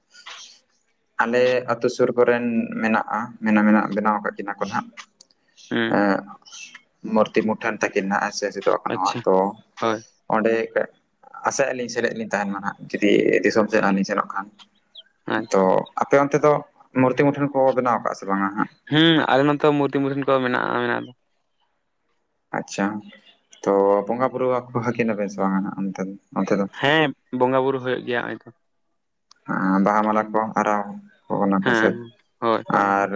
[inaudible]
ᱟᱞᱮ ᱟᱹᱛᱩ ᱥᱩᱨ ᱠᱚᱨᱮᱱ ᱢᱮᱱᱟᱜᱼᱟ ᱢᱮᱱᱟ ᱢᱮᱱᱟᱜ ᱵᱮᱱᱟᱣ ᱟᱠᱟᱫ ᱠᱤᱱᱟ ᱠᱚ ᱱᱟᱦᱟᱸᱜ,
ᱦᱩᱸ
ᱮᱸᱜ ᱢᱩᱨᱛᱤ ᱢᱩᱴᱷᱟᱹᱱ ᱛᱟᱹᱠᱤᱱ ᱱᱷᱟᱜ ᱦᱮᱸ ᱥᱮ ᱥᱤᱫ-
ᱟᱪᱪᱷᱟ ᱦᱳᱭ᱾
ᱚᱸᱰᱮ ᱠᱟᱜ ᱟᱥᱟᱭᱮᱜᱼᱟ, ᱞᱤᱧ ᱥᱮᱞᱮᱫ ᱞᱤᱧ ᱛᱟᱦᱮᱸᱱ ᱢᱟ ᱱᱷᱟᱸᱜ ᱡᱩᱫᱤ ᱫᱤᱥᱚᱢ ᱥᱮᱫ ᱞᱤᱧ ᱥᱮᱱᱚᱜ ᱠᱷᱟᱱ᱾ ᱛᱚ
ᱟᱪᱪᱷᱟ
ᱟᱯᱮ ᱚᱱᱛᱮ ᱫᱚᱜ ᱢᱩᱨᱛᱤ ᱢᱩᱴᱷᱟᱹᱱ ᱠᱚ ᱵᱮᱱᱟᱣ ᱟᱠᱟᱼᱟ ᱥᱮ ᱵᱟᱝᱼᱟ ᱦᱟᱸᱜ?
ᱦᱩᱸ ᱟᱞᱮ ᱱᱚᱛᱮ ᱫᱚ ᱢᱩᱨᱛᱤ ᱢᱩᱴᱷᱟᱹᱱ ᱠᱚ ᱢᱮᱱᱟᱜᱼᱟ ᱢᱮᱱᱟᱜ ᱫᱚ᱾
ᱟᱪᱪᱷᱟ ᱛᱚ ᱵᱚᱸᱜᱟ ᱵᱩᱨᱩ ᱟᱠᱚ ᱦᱟᱹᱠᱤᱱᱟᱯᱮ ᱥᱮ ᱵᱟᱝᱼᱟ, ᱚᱸᱛᱮ ᱫᱚ ᱚᱱᱛᱮ ᱫᱚ?
ᱦᱮᱸᱻᱯ ᱵᱚᱸᱜᱟ ᱵᱩᱨᱩ ᱦᱩᱭᱩᱜ ᱜᱮᱭᱟ ᱱᱚᱜᱼᱚᱭ ᱛᱚ᱾
ᱟᱸ ᱵᱟᱦᱟ ᱢᱟᱞᱟ ᱠᱚ ᱟᱨᱟᱣ ᱠᱚ ᱚᱱᱟ ᱠᱚ
ᱦᱮᱸ
ᱥᱮᱫ
ᱦᱳᱭ ᱦᱳᱭ
ᱟᱻᱨ,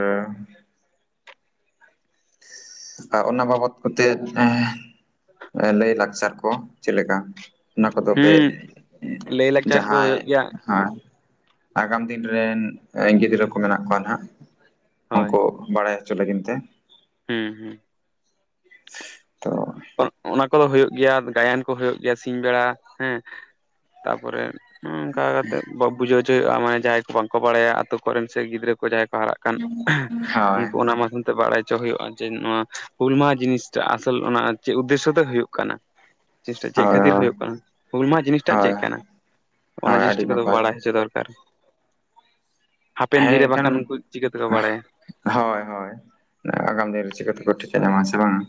[inaudible] ᱟ ᱚᱱᱟ ᱵᱟᱵᱚᱛ ᱠᱚᱛᱮᱫ ᱮᱸ ᱮᱸ ᱞᱟᱹᱭ ᱞᱟᱠᱪᱟᱨ ᱠᱚ ᱪᱮᱫ ᱞᱮᱠᱟ? ᱚᱱᱟ ᱠᱚᱫᱚ ᱯᱮᱜ
ᱦᱩᱸ
ᱮᱸ
ᱞᱟᱹᱭᱼᱞᱟᱠᱪᱟᱨ ᱠᱚ
ᱡᱟᱦᱟᱸᱭ
ᱦᱩᱭᱩᱜ ᱜᱮᱭᱟ
ᱟᱸ, ᱟᱜᱟᱢ ᱫᱤᱱ ᱨᱮᱱ ᱮᱸ ᱜᱤᱫᱽᱨᱟᱹ ᱠᱚ ᱢᱮᱱᱟᱜ ᱠᱚᱣᱟ ᱱᱟᱦᱟᱸᱜ,
ᱦᱳᱭ
ᱩᱸᱠᱩ ᱵᱟᱲᱟᱭ ᱪᱚ ᱞᱟᱹᱜᱤᱱ ᱛᱮ,
ᱦᱩᱸ ᱦᱩᱸ᱾
[inaudible] ᱛᱚ
ᱚᱫ ᱚᱱᱟ ᱠᱚᱫᱚ ᱦᱩᱭᱩᱜ ᱜᱮᱭᱟ ᱟᱫᱚ ᱜᱟᱭᱟᱱ ᱠᱚ ᱦᱩᱭᱩᱜ ᱜᱮᱭᱟ ᱥᱤᱧ ᱵᱮᱲᱟ ᱦᱮᱸ ᱛᱟᱯᱚᱨᱮ ᱩᱸ ᱚᱸᱠᱟ ᱠᱟᱛᱮᱫ ᱵᱟᱸᱵᱩ ᱡᱚ ᱦᱚᱪᱚ ᱦᱩᱭᱩᱜᱼᱟ ᱢᱟᱱᱮ ᱡᱟᱦᱟᱸᱭ ᱯᱷᱚᱱ ᱠᱚ ᱵᱟᱲᱟᱭᱟ ᱟᱛᱩ ᱠᱚᱨᱮᱱ ᱥᱮ ᱜᱤᱫᱽᱨᱟᱹ ᱠᱚ ᱡᱟᱦᱟᱸᱭ ᱠᱚ ᱦᱟᱨᱟᱜ ᱠᱟᱱ [unintelligible]
ᱦᱳᱭ
ᱩᱱᱠᱩ ᱚᱱᱟ ᱢᱟᱫᱷᱽᱭᱚᱢ ᱛᱮ ᱵᱟᱲᱟᱭ ᱪᱚ ᱦᱩᱭᱩᱜᱼᱟ ᱡᱮ ᱱᱚᱣᱟ ᱦᱩᱞ ᱢᱟᱦᱟ ᱡᱤᱱᱤᱥ ᱴᱟᱜ ᱟᱥᱚᱞ ᱚᱱᱟ ᱪᱮᱫ ᱩᱫᱽᱮᱥᱚᱭᱚ ᱛᱮ ᱦᱩᱭᱩᱜ ᱠᱟᱱᱟ ᱾ ᱪᱮᱥᱴᱟ ᱪᱮᱫ
ᱦᱳᱭ
ᱠᱷᱟᱹᱛᱤᱨ
ᱦᱳᱭ
ᱦᱩᱭᱩᱜ ᱠᱟᱱᱟ, ᱦᱩᱞ ᱢᱟᱦᱟ ᱡᱤᱱᱤᱥ ᱴᱟᱜ
ᱦᱳᱭ
ᱪᱮᱫ ᱠᱟᱱᱟ? ᱚᱱᱟ
ᱦᱳᱭ
ᱡᱤᱱᱤᱥ
ᱟᱹᱰᱤ
ᱴᱟ ᱠᱚᱫᱚ
ᱱᱟᱯᱟᱭ
ᱵᱟᱲᱟᱭ ᱦᱚᱪᱚ ᱫᱚᱨᱠᱟᱨ᱾ ᱦᱟᱯᱮᱱ
ᱦᱮᱸ
ᱫᱤᱱ ᱨᱮ
ᱮᱱᱠᱷᱟᱱ
ᱵᱟᱠᱷᱟᱱ ᱩᱱᱠᱩ ᱪᱤᱠᱟᱹ ᱛᱮᱠᱚ ᱵᱟᱲᱟᱭᱟ,
ᱦᱳᱭ ᱦᱳᱭ! ᱟᱜᱟᱢ ᱫᱤᱱ ᱨᱮ ᱪᱤᱠᱟᱹ ᱛᱮᱠᱚ ᱴᱷᱤᱠᱟᱹ ᱧᱟᱢᱟ ᱦᱮᱸᱥᱮ ᱵᱟᱝᱼᱟ,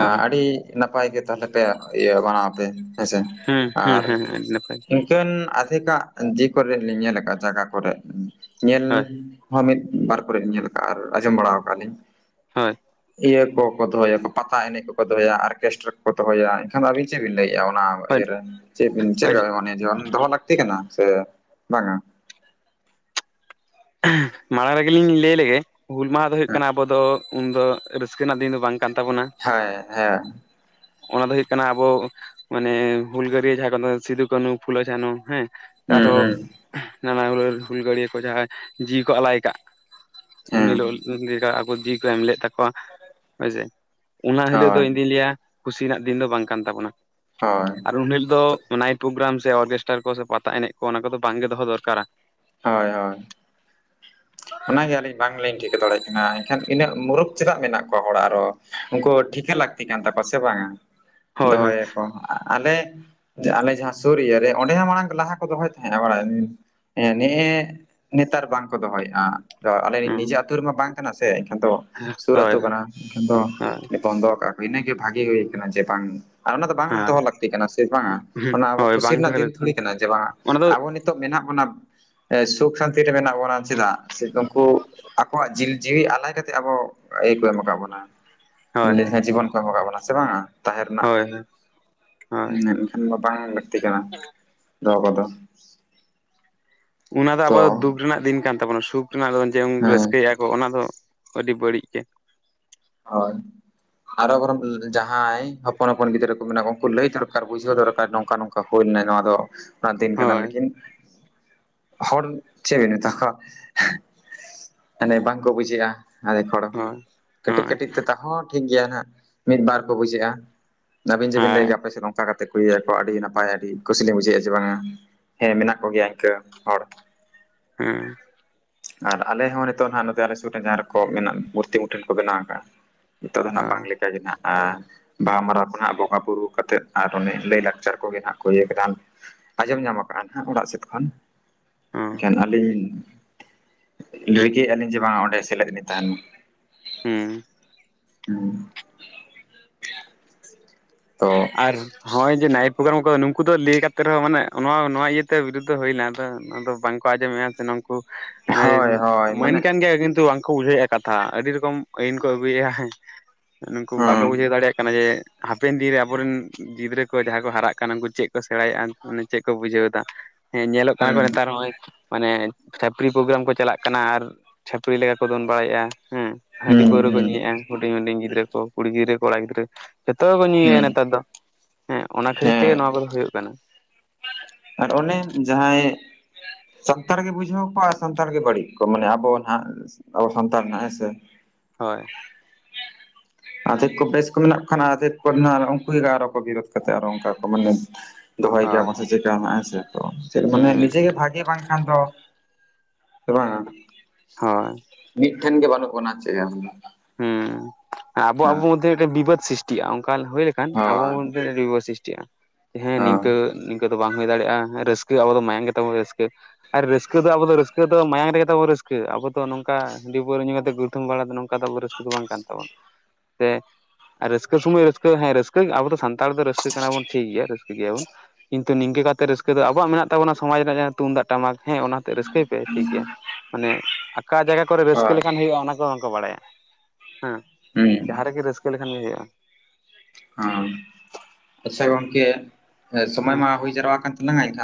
ᱟᱸ ᱟᱹᱰᱤ ᱱᱟᱯᱟᱭ ᱜᱮ ᱛᱟᱦᱮᱞᱮ ᱯᱮ ᱤᱭᱟᱹ ᱢᱟᱱᱟᱣ ᱟᱯᱮ ᱦᱮᱸᱥᱮ,
ᱦᱩᱸ ᱦᱩᱸ ᱦᱮᱸ ᱦᱮᱸ ᱟᱹᱰᱤ ᱱᱟᱯᱟᱭ᱾
ᱤᱠᱷᱟᱹᱱ ᱟᱫᱷᱮᱠᱟᱜ ᱡᱮ ᱠᱚᱨᱮ ᱞᱤᱧ ᱧᱮᱞ ᱟᱠᱟᱜᱼᱟ ᱡᱟᱜᱟ ᱠᱚᱨᱮ ᱩᱸ ᱧᱮᱞᱻ
ᱦᱳᱭ
ᱦᱚᱸ ᱢᱤᱫ ᱵᱟᱨ ᱠᱚᱨᱮ ᱞᱤᱧ ᱧᱮᱞ ᱟᱠᱟᱜᱼᱟ ᱟᱨ ᱟᱸᱡᱽᱚᱢ ᱵᱟᱲᱟ ᱣᱟᱠᱟᱫ ᱟᱹᱞᱤᱧ,
ᱦᱳᱭ
ᱤᱭᱟᱹ ᱠᱚᱠᱚ ᱫᱚᱦᱚᱭᱟ ᱯᱟᱛᱟ ᱮᱱᱮᱡ ᱠᱚᱠᱚ ᱫᱚᱦᱚᱭᱟ ᱟᱨᱠᱮᱥᱴᱟᱨᱟ ᱠᱚᱠᱚ ᱫᱚᱦᱚᱭᱟ ᱮᱱᱠᱷᱟᱱ ᱟᱹᱵᱤᱱ ᱪᱮᱫ ᱵᱤᱱ ᱞᱟᱹᱭᱮᱜᱼᱟ ᱚᱱᱟ ᱚ
ᱦᱳᱭ
ᱤᱭᱟᱹ ᱨᱮ, ᱪᱮᱫ ᱵᱤᱱ ᱪᱮᱫ
ᱦᱳᱭ
ᱞᱮᱠᱟ ᱢᱟᱱᱮ ᱡᱚᱱ ᱫᱚᱦᱚ ᱞᱟᱹᱠᱛᱤ ᱠᱟᱱᱟ, ᱥᱮ ᱵᱟᱝ-ᱟ?
[unintelligible] ᱢᱟᱲᱟᱝ ᱨᱮᱜᱮ ᱞᱤᱧ ᱞᱟᱹᱭ ᱞᱮᱜᱮ ᱦᱩᱞ ᱢᱟᱦᱟ ᱫᱚ ᱦᱩᱭᱩᱜ ᱠᱟᱱᱟ ᱟᱵᱚ ᱫᱚᱼᱼ ᱩᱱ ᱫᱚ ᱨᱟᱹᱥᱠᱟᱹ ᱨᱮᱱᱟᱜ ᱫᱤᱱ ᱫᱚ ᱵᱟᱝ ᱠᱟᱱ ᱛᱟᱵᱚᱱᱟ,
ᱦᱚᱭ, ᱦᱮᱸ᱾
ᱚᱱᱟ ᱫᱚ ᱦᱩᱭᱩᱜ ᱠᱟᱱᱟ ᱟᱵᱚ ᱢᱟᱱᱮ ᱦᱩᱞᱜᱟᱹᱨᱭᱟᱹ ᱡᱟᱦᱟᱸ ᱠᱚᱫᱚ ᱥᱤᱫᱩ, ᱠᱟᱹᱱᱦᱩ, ᱯᱷᱩᱞᱳ, ᱡᱷᱟᱱᱚ ᱦᱮᱸ, ᱼᱼ
ᱦᱩᱸ
ᱟᱨᱚ
ᱦᱩᱸ
[unintelligible] ᱱᱟᱱᱟ ᱦᱩᱱᱟᱹᱨ ᱦᱩᱞᱜᱟᱹᱲᱤᱭᱟᱹ ᱠᱚ ᱡᱟᱦᱟᱸᱭ ᱡᱤᱣᱤ ᱠᱚ ᱟᱞᱟᱭ ᱟᱠᱟᱜᱼᱼ ᱩᱱ
ᱦᱮᱸ
ᱦᱤᱞᱳᱜ ᱞᱤ ᱞᱮᱠᱟ ᱟᱠᱚ ᱡᱤᱣᱤ ᱠᱚ ᱮᱢ ᱞᱮᱫ ᱛᱟᱠᱚᱣᱟ ᱦᱳᱭᱥᱮ᱾ ᱚᱱᱟ ᱦᱤᱞᱳᱜ ᱫᱚ
ᱦᱳᱭ
ᱤᱧᱫᱩᱧ ᱞᱟᱹᱭᱟ ᱠᱷᱩᱥᱤ ᱨᱮᱱᱟᱜ ᱫᱤᱱ ᱫᱚ ᱵᱟᱝ ᱠᱟᱱ ᱛᱟᱵᱚᱱᱟ,
ᱦᱳᱭ
ᱟᱨ ᱩᱱ ᱦᱮᱞᱳᱜ ᱼᱼ ᱚ ᱱᱟᱹᱭᱤᱴ ᱯᱚᱜᱽ ᱜᱟᱨᱟᱢ ᱥᱮ ᱚᱨᱠᱮᱥᱴᱟᱨ ᱠᱚ ᱥᱮ ᱯᱟᱛᱟ ᱮᱱᱮᱡ ᱠᱚ ᱚᱱᱟ ᱠᱚᱫᱚ ᱵᱟᱝ ᱜᱮ ᱫᱚᱦᱚ ᱫᱚᱨᱠᱟᱨᱟ᱾
ᱦᱳᱭ ᱦᱳᱭ᱾
[unintelligible]
ᱚᱱᱟᱜᱮ ᱟᱹᱞᱤᱧ ᱵᱟᱝᱞᱤᱧ ᱴᱷᱤᱠᱟᱹ ᱫᱟᱲᱮᱭᱟᱜ ᱠᱟᱱᱟ ᱮᱱᱠᱷᱟᱱ ᱤᱱᱟᱹᱜ ᱢᱩᱨᱩᱠᱷ ᱪᱮᱫᱟᱜ ᱢᱮᱱᱟᱜ ᱠᱚᱣᱟ ᱦᱚᱲ ᱟᱨᱚ᱾ ᱩᱱᱠᱩ ᱴᱷᱤᱠᱟᱹ ᱞᱟᱹᱠᱛᱤ ᱠᱟᱱ ᱛᱟᱠᱚᱣᱟ ᱥᱮ ᱵᱟᱝᱟᱼᱼ
[unintelligible]
ᱫᱚᱦᱚᱭᱟᱠᱚ ᱟᱞᱮ ᱟᱞᱮ ᱡᱟᱦᱟᱸ ᱥᱩᱨ ᱤᱭᱟᱹ ᱨᱮ ᱚᱸᱰᱮ ᱦᱚᱸ ᱢᱟᱲᱟᱝ ᱞᱟᱦᱟ ᱠᱚ ᱫᱚᱦᱚᱭ ᱛᱟᱦᱮᱸᱫᱼᱟ ᱵᱟᱲᱟᱭ ᱛᱟᱦᱮᱸᱼᱟ ᱦᱮᱸ ᱱᱮᱜᱮ ᱱᱮᱛᱟᱨ ᱵᱟᱝ ᱠᱚ ᱫᱚᱦᱚᱭᱮᱫᱼᱟ ᱟᱞᱮ ᱱᱤᱡᱮ ᱟᱛᱳ ᱨᱮᱢᱟ ᱵᱟᱝ ᱠᱟᱱᱟ ᱥᱮ ᱮᱱᱠᱷᱟᱱ ᱫᱚᱼᱼ ᱥᱩᱨ
ᱦᱳᱭ
ᱟᱹᱛᱳ
ᱦᱳᱭ
ᱠᱟᱱᱟ ᱮᱱ ᱫᱚ ᱵᱚᱱᱫᱚ ᱠᱟᱜ ᱠᱚ ᱤᱱᱟᱹᱜᱮ ᱵᱷᱟᱜᱤ ᱦᱩᱭ ᱠᱟᱱᱟ ᱡᱮ ᱵᱟᱝᱼᱼ ᱟᱨ ᱚᱱᱟ ᱫᱚ ᱵᱟᱝ
ᱦᱳᱭ
ᱫᱚᱦᱚ ᱞᱟᱹᱠᱛᱤ ᱠᱟᱱᱟ ᱥᱮ ᱵᱟᱝᱟ ᱚᱱᱟ ᱟᱵᱚ
ᱦᱳᱭ
ᱠᱩᱥᱤ
ᱵᱟᱝ
ᱨᱮᱱᱟᱜ
ᱫᱚᱦᱚ
ᱫᱤᱱ
ᱞᱟᱹᱠᱛᱤ
ᱛᱷᱩᱲᱤ ᱠᱟᱱᱟ ᱡᱮ ᱵᱟᱝᱟ
ᱚᱱᱟ ᱫᱚ
ᱟᱵᱚ ᱱᱤᱛᱼᱼ ᱱᱤᱛᱚᱜ ᱢᱮᱱᱟᱜ ᱵᱚᱱᱟᱼᱼ ᱥᱩᱠ ᱥᱟᱱᱛᱤ ᱨᱮ ᱢᱮᱱᱟᱜ ᱵᱚᱱᱟ ᱪᱮᱫᱟᱜ ᱥᱮ ᱩᱱᱠᱩᱼᱼ ᱟᱠᱚᱣᱟᱜ ᱡᱤᱞ ᱡᱤᱣᱤ ᱟᱞᱟᱭ ᱠᱟᱛᱮᱜ ᱟᱵᱚ ᱤᱭᱟᱹ ᱠᱚ ᱮᱢ ᱟᱠᱟᱫ ᱵᱚᱱᱟ᱾ ᱞᱟᱹᱭ
ᱦᱳᱭ
ᱞᱮᱠᱷᱟᱱ ᱡᱤᱵᱚᱱ ᱠᱚ ᱮᱢ ᱠᱟᱜ ᱵᱚᱱᱟ ᱥᱮ ᱵᱟᱝᱟ ᱛᱟᱦᱮᱱ ᱨᱮᱱᱟᱜ᱾
ᱦᱳᱭ ᱦᱳᱭ ᱦᱳᱭ
ᱮ ᱢᱟ ᱵᱟᱝ ᱞᱟᱹᱠᱛᱤ ᱠᱟᱱᱟ ᱫᱚᱦᱚ ᱠᱚᱫᱚ᱾
ᱚᱱᱟ ᱫᱚ ᱟᱵᱚ
ᱛᱚ
ᱫᱚ ᱫᱩᱠ ᱨᱮᱱᱟᱜ ᱫᱤᱱ ᱠᱟᱱ ᱛᱟᱵᱚᱱᱟ ᱥᱩᱠ ᱨᱮᱱᱟᱜ ᱫᱚ ᱡᱮᱚᱱ
ᱦᱮᱸ
ᱨᱟᱹᱥᱠᱟᱹᱭᱟ᱾ ᱛᱚ ᱚᱱᱟ ᱫᱚ ᱟᱹᱰᱤ ᱵᱟᱹᱲᱤᱡ ᱜᱮ᱾
ᱦᱳᱭ ᱟᱨᱚᱢ ᱡᱟᱦᱟᱸᱭ ᱦᱚᱯᱚᱱ ᱦᱚᱯᱚᱱ ᱜᱤᱫᱽᱨᱟᱹ ᱠᱚ ᱢᱮᱱᱟᱜᱼᱟ ᱩᱱᱠᱩ ᱞᱟᱹᱭ ᱫᱚᱨᱠᱟᱨ ᱵᱩᱡᱷᱟ ᱫᱚᱨᱠᱟᱨ ᱱᱚᱝᱠᱟ ᱱᱚᱝᱠᱟᱼᱼ ᱵᱟ ᱦᱩᱭ ᱞᱮᱱᱟ ᱱᱚᱣᱟ ᱫᱚ ᱚᱱᱟ ᱫᱤᱱ ᱠᱟᱱᱟ
ᱦᱳᱭ
ᱞᱮᱠᱤᱱᱼᱼ ᱦᱚᱲ ᱪᱮᱫ ᱵᱮᱤᱱᱛᱟ ᱠᱷ ᱢᱟᱱᱮ ᱵᱟᱝᱠᱚ ᱵᱩᱡᱷᱟᱹᱜᱼᱟ ᱟᱫᱮᱠᱷ ᱦᱚᱲᱼᱼ
[unintelligible]
ᱠᱟᱹᱴᱤᱡ
ᱦᱳᱭ
ᱠᱟᱹᱴᱤᱡ ᱛᱮ ᱛᱟ ᱦᱚᱸ ᱴᱷᱤᱠ ᱜᱮᱭᱟ ᱱᱟᱦᱟᱜ ᱢᱤᱫ ᱵᱟᱨ ᱠᱚ ᱵᱩᱡᱷᱟᱹᱜᱼᱟ ᱟᱹᱵᱤᱱ ᱡᱮ ᱵᱤᱱ ᱞᱟᱹᱭ
ᱦᱳᱭ
ᱠᱮᱫᱭᱟ ᱟᱯᱮ ᱥᱮᱫ ᱦᱚᱸᱼᱼ ᱯᱠᱟ ᱠᱟᱛᱮ ᱠᱚ ᱤᱭᱟᱹᱭᱟᱠᱚ ᱟᱹᱰᱤ ᱱᱟᱯᱟᱭ ᱟᱹᱰᱤ ᱠᱩᱥᱤ ᱞᱮ ᱵᱩᱡᱷᱟᱹᱣᱼᱟ ᱡᱮ ᱵᱟᱝᱟ ᱦᱮᱸ ᱢᱮᱱᱟᱜ ᱠᱚᱜᱮᱭᱟ ᱤᱱᱠᱟᱹ ᱦᱚᱲᱼᱼ
ᱦᱮᱸ᱾
ᱟᱨ ᱟᱞᱮ ᱦᱚᱸ ᱱᱤᱛᱚᱜ ᱱᱷᱟᱜ ᱱᱚᱛᱮ ᱟᱞᱮ ᱥᱩᱨ ᱨᱮ ᱡᱟᱦᱟᱸ ᱨᱮᱠᱚ ᱢᱮᱱᱟᱜ ᱵᱷᱩᱨᱛᱤ ᱢᱩᱴᱷᱟᱱ ᱠᱚ ᱵᱮᱱᱟᱣ ᱟᱠᱟᱫᱼᱟᱼᱼ ᱱᱤᱛᱚᱜ ᱫᱚ ᱱᱟᱜ ᱵᱟᱝ
ᱦᱳᱭ
ᱞᱮᱠᱟᱜᱮ ᱱᱦᱟᱜᱼᱟ᱾ ᱵᱟᱦᱟᱢᱟᱨᱟᱣ ᱠᱚ ᱱᱟᱜ ᱵᱚᱸᱜᱟᱼᱵᱩᱨᱩ ᱠᱟᱛᱮᱫ ᱟᱨ ᱚᱱᱮ ᱞᱟᱹᱭᱼᱞᱟᱠᱪᱟᱨ ᱠᱚᱜᱮ ᱱᱟᱜ ᱠᱚ ᱤᱭᱟᱹᱠᱮᱫᱟ᱾ ᱟᱸᱡᱚᱢ ᱧᱟᱢ ᱠᱟᱜᱼᱟ ᱦᱟᱸᱜ ᱚᱲᱟᱜ ᱥᱮᱫ ᱠᱷᱚᱱ
ᱦᱮᱸ
ᱮᱱᱠᱷᱟᱱ ᱟᱹᱞᱤᱧᱼᱼ ᱞᱟᱹᱭ ᱠᱮᱫ-ᱟ ᱞᱤᱧ ᱡᱮ ᱵᱟᱝᱟ ᱚᱸᱰᱮ ᱥᱮᱞᱮᱫ ᱞᱤᱧ ᱛᱟᱦᱮᱱ ᱢᱟ
ᱦᱩᱸ
ᱦᱩᱸ ᱛᱚᱻ
ᱟᱨᱻ ᱱᱚᱜᱼᱚᱭ ᱡᱮ ᱱᱟᱭᱤᱴ ᱯᱨᱳᱜᱨᱟᱢ ᱠᱚ ᱱᱩᱠᱩ ᱫᱚ ᱞᱟᱹᱭ ᱠᱟᱛᱮ ᱨᱮᱦᱚᱸ ᱢᱟᱱᱮ ᱱᱚᱣᱟ ᱱᱚᱣᱟ ᱤᱭᱟᱹᱛᱮ ᱵᱤᱨᱩᱫᱽᱷᱚ ᱦᱩᱭ ᱱᱟ, ᱟᱫᱚ ᱚᱱᱟ ᱫᱚ ᱵᱟᱝᱻ ᱟᱸᱡᱚᱢᱮᱼᱟ ᱥᱮ ᱱᱩᱠᱩ
ᱦᱳᱭ ᱦᱳᱭ
ᱢᱟᱹᱱ
ᱢᱟᱱᱮ
ᱠᱟᱱ ᱜᱮᱭᱟ, ᱠᱤᱱᱛᱩ ᱵᱟᱝᱠᱚ ᱵᱩᱡᱷᱟᱹᱣᱮᱫᱼᱟ ᱠᱟᱛᱷᱟᱻ ᱦᱟ ᱟᱹᱰᱤ ᱨᱚᱠᱚᱢ ᱟᱹᱭᱤᱱ ᱠᱚ ᱟᱹᱜᱩᱭᱮᱫᱼᱟ, ᱱᱩᱠᱩ ᱵᱟᱠᱚ
ᱦᱩᱸ
ᱵᱩᱡᱷᱟᱹᱣ ᱫᱟᱲᱮᱭᱟᱜ ᱠᱟᱱᱟ ᱡᱮᱻ ᱦᱟᱯᱮᱱ ᱫᱤᱱ ᱨᱮ ᱟᱵᱚᱻ ᱟᱵᱚᱨᱮᱱ ᱜᱤᱫᱽᱨᱟᱹ ᱠᱚ ᱡᱟᱦᱟᱸᱭ ᱠᱚ ᱦᱟᱨᱟᱜ ᱠᱟᱱᱟ, ᱩᱱᱠᱩ ᱪᱮᱫ ᱠᱚ ᱥᱮᱬᱟᱭᱮᱫᱼᱟ, ᱪᱮᱫ ᱠᱚ ᱵᱩᱡᱷᱟᱹᱣ ᱮᱫᱟ? ᱦᱮᱸ ᱧᱮᱞᱚᱜ ᱠᱟᱱᱟ ᱠᱚ,
ᱦᱩᱸ
ᱱᱮᱛᱟᱨ ᱱᱚᱜᱚᱭᱻ ᱢᱟᱱᱮ ᱪᱷᱟᱹᱯᱨᱤ ᱯᱨᱳᱜᱨᱟᱢ ᱠᱚ ᱪᱟᱞᱟᱜ ᱠᱟᱱᱟ ᱟᱨ ᱪᱷᱟᱹᱯᱨᱤ ᱞᱮᱠᱟ ᱠᱚ, ᱫᱚᱱ ᱵᱟᱲᱟᱭᱮᱫᱼᱟ ᱦᱮᱸ ᱾ ᱦᱟᱺᱰᱤ
ᱦᱩᱸ
ᱯᱟᱹᱣᱨᱟᱹ ᱠᱚ
ᱦᱩᱸ
ᱧᱩᱭᱮᱫᱭᱟ ᱦᱩᱰᱤᱧ ᱦᱩᱰᱤᱧ ᱜᱤᱫᱽᱨᱟᱹ ᱠᱚ, ᱠᱩᱲᱤ ᱜᱤᱫᱽᱨᱟᱹ, ᱠᱚᱲᱟ ᱜᱤᱫᱽᱨᱟᱹ ᱡᱚᱛᱚ ᱠᱚ ᱧᱩᱭ ᱭᱟ
ᱦᱩᱸ
᱾ ᱱᱮᱛᱟᱨ ᱫᱚ ᱦᱮᱸ ᱚᱱᱟ ᱠᱷᱟᱹᱛᱤᱨ
ᱦᱮᱸ
ᱛᱮᱜᱮ, ᱱᱚᱣᱟ ᱠᱚᱫᱚ ᱦᱩᱭᱩᱜ ᱠᱟᱱᱟ ᱾
ᱟᱨ ᱚᱱᱮ ᱡᱟᱦᱟᱸᱭ ᱥᱟᱱᱛᱟᱲ ᱜᱮ ᱵᱩᱡᱷᱟᱹᱣ ᱠᱚᱣᱟ ᱟᱨ ᱥᱟᱱᱛᱟᱲ ᱜᱮ ᱵᱟᱹᱲᱤᱡ ᱠᱚᱣᱟ ᱢᱟᱱᱮ ᱟᱵᱚ ᱟᱜ ᱟᱵᱚ ᱥᱟᱱᱛᱟᱲ ᱨᱮᱱᱟᱜ ᱦᱮᱸ ᱥᱮ᱾
ᱦᱳᱭ
ᱟᱫᱷᱮᱠ ᱠᱚ ᱵᱮᱥ ᱠᱚ ᱢᱮᱱᱟᱜ ᱠᱚ ᱠᱷᱟᱱ ᱟᱫᱮᱷᱠ ᱠᱚ ᱱᱟ ᱩᱱᱠᱩ ᱟᱨᱚ ᱠᱚ ᱵᱤᱨᱫ ᱠᱟᱛᱮᱫ ᱟᱨ ᱚᱱᱠᱟ ᱠᱚ ᱢᱟᱱᱮ ᱫᱚᱦᱚᱭ
ᱦᱳᱭ
ᱜᱮᱭᱟᱵᱚᱱ ᱥᱮ ᱪᱮᱫ ᱞᱮᱠᱟ ᱦᱟᱸᱜ ᱦᱮᱸ ᱥᱮ, ᱛᱚ ᱢᱟᱱᱮ ᱱᱤᱡᱮ
ᱦᱩᱸ
ᱜᱮ ᱵᱷᱟᱜᱮ ᱵᱟᱝ ᱠᱷᱟᱱ ᱫᱚ, ᱥᱮ ᱵᱟᱝ-ᱟ
ᱦᱳᱭ
ᱢᱤᱫ ᱴᱷᱮᱱ ᱜᱮ ᱵᱟᱹᱱᱩᱜ ᱵᱱᱟ ᱪᱮᱫ
ᱦᱩᱸ... ᱟᱵᱚ-ᱟᱵᱚ
ᱦᱳᱭ
ᱢᱚᱫᱫᱷᱮ ᱨᱮ ᱢᱤᱫᱴᱮᱱ ᱵᱤᱵᱟᱹᱫ ᱥᱨᱤᱥᱴᱤᱜ-ᱟ ᱚᱱᱠᱟ ᱦᱩᱭ ᱞᱮᱠᱷᱟᱱ ᱟᱵᱚ
ᱦᱳᱭ
ᱫᱷᱮ ᱨᱮ ᱣᱤᱣᱟ.... ᱥᱨᱤᱥᱴᱤ-ᱟ ᱦᱮᱸ ᱱᱤᱝᱠᱟᱹ
ᱦᱳᱭ
ᱱᱤᱝᱠᱟᱹ ᱫᱚ ᱵᱟᱝ ᱦᱩᱭ ᱫᱟᱲᱮ-ᱟ ᱨᱟᱹᱥᱠᱟᱹ ᱟᱵᱚ ᱫᱚ ᱢᱟᱭᱟᱝ ᱜᱮ ᱛᱟᱵᱚ ᱨᱟᱹᱥᱠᱟᱹ ᱟᱨ ᱨᱟᱹᱥᱠᱟᱹ ᱫᱚ ᱟᱵᱚ ᱫᱚ ᱨᱟᱹᱥᱠᱟᱹ ᱫᱚ ᱢᱟᱭᱟᱝ ᱨᱮᱜᱮ ᱛᱟᱵᱚ ᱨᱟᱹᱥ ᱠᱟᱹ ᱟᱵᱚ ᱫᱚ ᱱᱚᱝᱠᱟ ᱦᱟᱺᱵᱤ ᱯᱟᱹᱣᱨᱟᱹ ᱧᱩ ᱠᱟᱛᱮᱫ ᱜᱩᱲᱫᱷᱟᱹᱢ ᱵᱟᱲᱟ ᱫᱚ ᱱᱚᱝᱠᱟ ᱫᱚ ᱟᱵᱚ ᱨᱟᱹᱥᱠᱟᱹ ᱫᱚ ᱵᱟᱝ ᱠᱟᱱ ᱛᱟᱵᱚᱱᱟ᱾ ᱛᱮ [inaudible] ᱟᱨ ᱨᱟᱹᱥᱠᱟᱹ ᱥᱚᱢᱚᱭ ᱨᱟᱹᱥᱠᱟ. ᱦᱮᱸ ᱨᱟᱹᱥᱠᱟᱹ ᱟᱵᱚ ᱫᱚ ᱥᱟᱱᱛᱟᱲ ᱫᱚ ᱨᱟᱹᱥᱠᱟᱹ ᱠᱟᱱᱟ ᱵᱚᱱ ᱴᱷᱤᱠ ᱜᱮᱭᱟ ᱨᱟᱹᱥᱠᱟᱹ ᱜᱮᱭᱟᱵᱚᱱ ᱠᱤᱱᱛᱩ ᱱᱤᱝᱠᱟᱹ ᱠᱟᱛᱮ ᱨᱟᱹᱥᱠᱟᱹ ᱫᱚ ᱟᱵᱚᱣᱟᱜ ᱢᱮᱱᱟᱜ ᱛᱟᱚᱱᱟ ᱥᱚᱢᱟᱡᱽ ᱨᱮᱱᱟᱜ ᱡᱟᱦᱟᱸ ᱛᱩᱢᱫᱟᱜ ᱴᱟᱢᱟᱠ ᱦᱮᱸ ᱚᱱᱟᱛᱮ ᱨᱟᱹᱥᱠᱟᱹᱭ ᱯᱮ ᱴᱷᱤᱠ ᱜᱮᱭᱟ ᱢᱟᱱᱮ ᱟᱠᱟ ᱡᱟᱭᱜᱟ ᱠᱚᱨᱮ ᱨᱟᱹᱥᱠᱟᱹ
ᱦᱳᱭ
ᱞᱮᱠᱟᱱ ᱦᱩᱭᱩᱜ-ᱟ ᱚᱱᱟ ᱠᱚ ᱵᱟᱝ ᱠᱚ ᱵᱟᱲᱟᱭᱟ ᱦᱮᱸ
ᱦᱩᱸ
ᱡᱟᱦᱟᱸ ᱨᱮᱜᱮ ᱨᱟᱹᱥᱠᱟᱹ ᱞᱮᱠᱷᱟᱱ ᱜᱮ ᱦᱩᱭᱩᱜ-ᱟ
ᱦᱟᱸ ᱟᱪᱪᱷᱟ ᱜᱚᱝᱠᱮ
ᱦᱮᱸ
ᱥᱚᱢᱚᱭ ᱢᱟ ᱦᱩᱭ ᱡᱟᱨᱣᱟ ᱟᱠᱟᱱ ᱛᱟᱞᱟᱝ-ᱟ ᱮᱱᱠᱷᱟᱱ